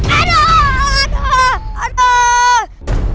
aduh aduh aduh